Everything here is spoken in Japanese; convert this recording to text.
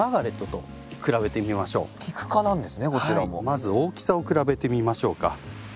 まず大きさを比べてみましょうか。